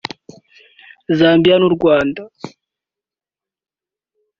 Zambia n’u Rwanda